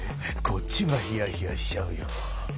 こっちがひやひやしちゃうよおッ。